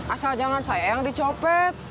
asal jangan saya yang dicopet